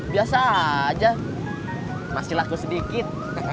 biasa aja masih laku sedikit